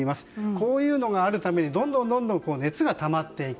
こういうのがあるためにどんどん熱がたまっていく。